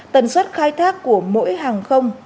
tần suất khai thác của mỗi hàng không